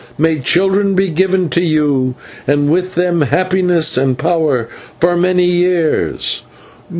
May children be given to you, and with them happiness and power for many years."